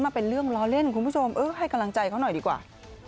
เป็นเรื่องล้อเล่นคุณผู้ชมเออให้กำลังใจเขาหน่อยดีกว่า